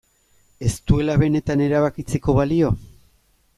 Ez duela benetan erabakitzeko balio?